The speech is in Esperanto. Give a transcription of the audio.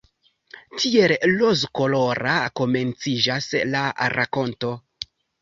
Tiel rozkolora komenciĝas la rakonto.